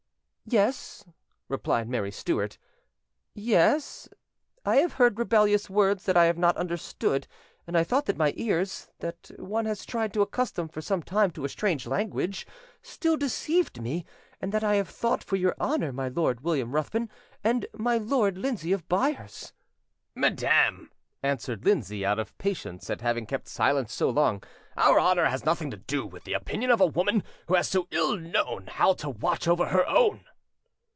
"Yes," replied Mary Stuart,—"yes, I have heard rebellious words that I have not understood, and I thought that my ears, that one has tried to accustom for some time to a strange language, still deceived me, and that I have thought for your honour, my lord William Ruthven, and my lord Lindsay of Byres." "Madam," answered Lindsay, out of patience at having kept silence so long, "our honour has nothing to do with the opinion of a woman who has so ill known how to watch over her own."